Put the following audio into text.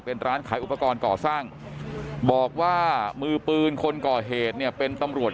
เป็นร้านขายอุปกรณ์ก่อสร้างบอกว่ามือปืนคนก่อเหตุเนี่ยเป็นตำรวจ